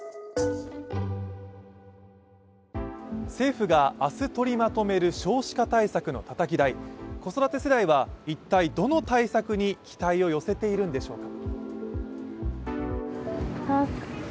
政府が明日取りまとめる少子化対策のたたき台、子育て世代は一体どの対策に期待を寄せているんでしょうか。